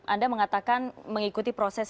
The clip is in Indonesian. anda mengatakan mengikuti proses